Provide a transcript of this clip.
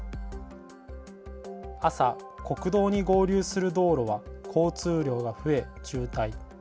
朝、国道に合流する道路は交通量が増え渋滞。